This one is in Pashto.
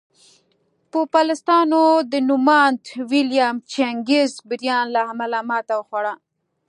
پوپلستانو د نوماند ویلیم جیننګز بریان له امله ماتې وخوړه.